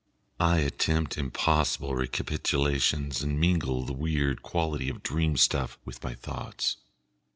I attempt impossible recapitulations and mingle the weird quality of dream stuff with my thoughts.